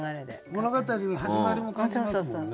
物語の始まりも感じますもんね。